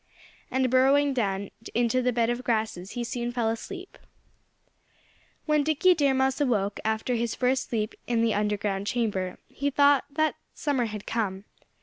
And burrowing down into the bed of grasses he soon fell asleep. When Dickie Deer Mouse awoke, after his first sleep in the underground chamber, he thought that summer had come.